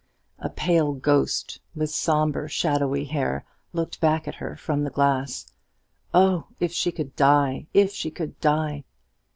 A pale ghost, with sombre shadowy hair, looked back at her from the glass. Oh, if she could die, if she could die!